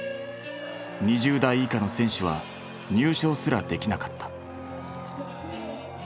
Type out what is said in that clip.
２０代以下の選手は入賞すらできなかった。